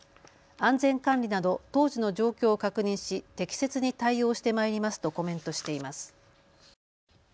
安全管理など当時の状況を確認し適切に対応してまいりますとコメントしています。